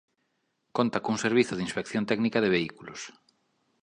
Conta cun servizo de Inspección Técnica de Vehículos.